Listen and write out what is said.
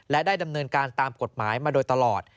และได้ดำเนินการตามกฎหมายมาโดยตลอด